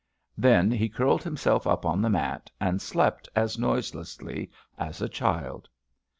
Then he curled himself up on the mat, and slept as noise lessly as a child.